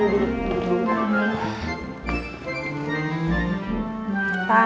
lu jangan kayak rara ya